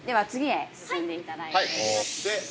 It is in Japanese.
では、次へ進んでいただいて。